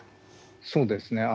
そうですね。